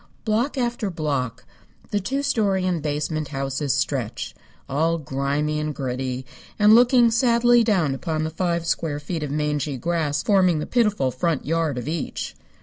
Block after block the two story and basement houses stretch, all grimy and gritty and looking sadly down upon the five square feet of mangy grass forming the pitiful front yard of each.